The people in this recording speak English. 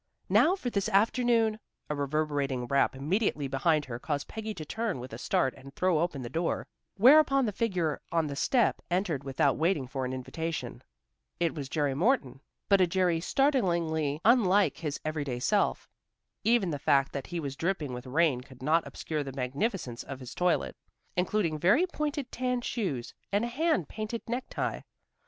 "Now for this afternoon " A reverberating rap immediately behind her, caused Peggy to turn with a start and throw open the door, whereupon the figure on the step entered without waiting for an invitation. It was Jerry Morton, but a Jerry startlingly unlike his every day self. Even the fact that he was dripping with rain could not obscure the magnificence of his toilet, including very pointed tan shoes, and a hand painted necktie.